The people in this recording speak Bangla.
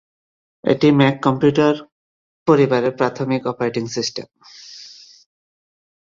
এটি ম্যাক কম্পিউটার পরিবারের প্রাথমিক অপারেটিং সিস্টেম।